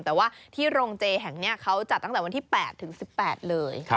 แต่ว่าที่โรงเจแห่งนี้เขาจัดตั้งแต่วันที่๘ถึง๑๘เลย